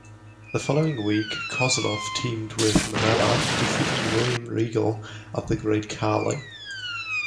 The following week, Kozlov teamed with Marella, defeating William Regal and The Great Khali.